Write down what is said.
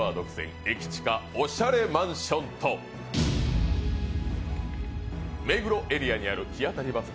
駅近おしゃれマンションと目黒エリアにある日当たり抜群！